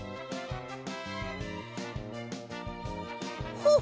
ほっ！